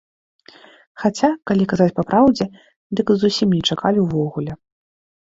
Хаця, калі казаць папраўдзе, дык і зусім не чакалі ўвогуле.